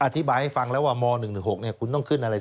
อธิบายให้ฟังแล้วว่าม๑๑๖คุณต้องขึ้นอะไร